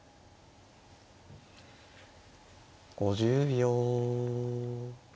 ５０秒。